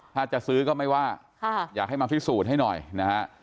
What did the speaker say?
ถ้าจะซื้อก็ไม่ว่าอยากให้มาพิสูจน์ให้หน่อยนะฮะ